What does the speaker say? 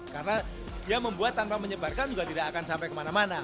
karena yang membuat tanpa menyebarkan juga tidak akan sampai kemana mana